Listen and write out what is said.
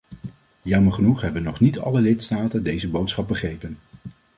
Jammer genoeg hebben nog niet alle lidstaten deze boodschap begrepen.